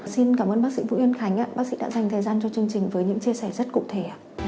xin cảm ơn bác sĩ vũ yên khánh bác sĩ đã dành thời gian cho chương trình với những chia sẻ rất cụ thể